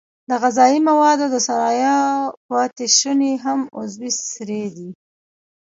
د غذایي موادو د صنایعو پاتې شونې هم عضوي سرې دي.